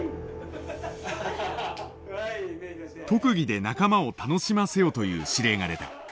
「特技で仲間を楽しませよ」という指令が出た。